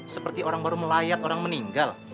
seperti orang baru melayat orang meninggal